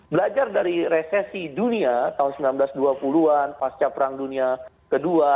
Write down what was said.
belajar dari resesi dunia tahun seribu sembilan ratus dua puluh an pasca perang dunia ii